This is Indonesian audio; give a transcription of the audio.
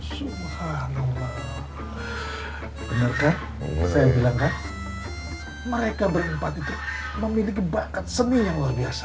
subhano benarkah saya bilang kan mereka berempat itu memiliki bakat seni yang luar biasa